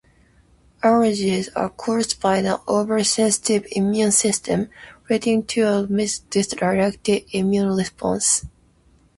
Allergies are caused by an oversensitive immune system, leading to a misdirected immune response.